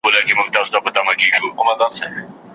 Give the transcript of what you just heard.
د څېړونکي هڅه د استاد په ملاتړ پیاوړي وي.